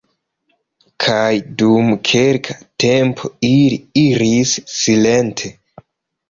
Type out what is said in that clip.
Kaj dum kelka tempo ili iris silente.